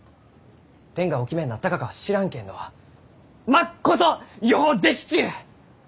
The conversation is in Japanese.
天がお決めになったがかは知らんけんどまっことよう出来ちゅう！